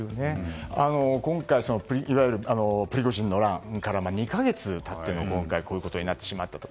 今回、プリゴジンの乱から２か月経って今回、こういうことになってしまったと。